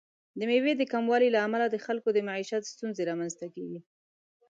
د میوې د کموالي له امله د خلکو د معیشت ستونزې رامنځته کیږي.